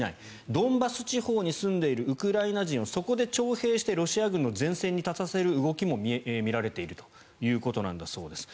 ドンバス地方に住んでいるウクライナ人をそこで徴兵してロシア軍の前線に立たせる動きも見られているということなんだそうです。